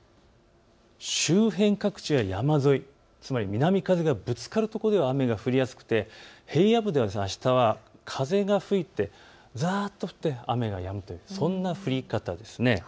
周辺各地や山沿い、つまり南風がぶつかる所では雨が降りやすくて平野部ではあしたは風が吹いてざーっと吹いて雨がやむとそんな降り方です。